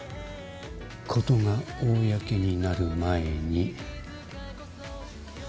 事が公になる前に。